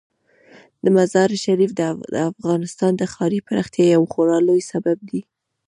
مزارشریف د افغانستان د ښاري پراختیا یو خورا لوی سبب دی.